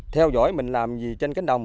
theo dõi mình làm gì trên cánh đồng